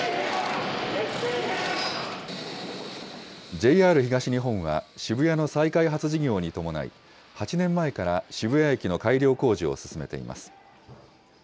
ＪＲ東日本は、渋谷の再開発事業に伴い、８年前から渋谷駅の改良工事を進めています。